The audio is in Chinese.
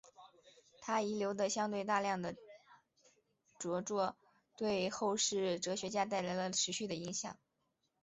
他遗留的相对大量的着作对后世哲学家带来了持续的影响。